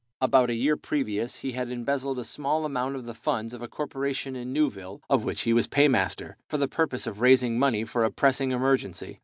About a year previous he had embezzled a small amount of the funds of a corporation in Newville, of which he was paymaster, for the purpose of raising money for a pressing emergency.